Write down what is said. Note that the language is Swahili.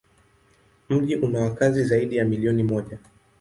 Mji una wakazi zaidi ya milioni moja.